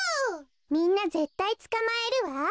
みんなぜったいつかまえるわ。